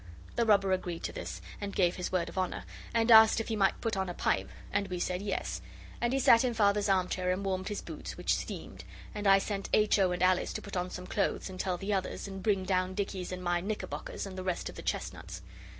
The robber agreed to this, and gave his word of honour, and asked if he might put on a pipe, and we said 'Yes,' and he sat in Father's armchair and warmed his boots, which steamed, and I sent H. O. and Alice to put on some clothes and tell the others, and bring down Dicky's and my knickerbockers, and the rest of the chestnuts.